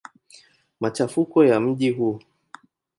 Machafuko ya mji huu.